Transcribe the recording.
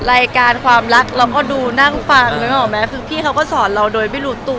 รายการความรักเราก็ดูนั่งฟังนึกออกไหมคือพี่เขาก็สอนเราโดยไม่รู้ตัว